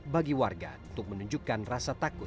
bagi warga untuk menunjukkan rasa takut